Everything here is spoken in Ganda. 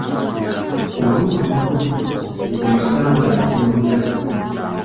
Oluusi n'enkoko gye zimusanga nezimulya.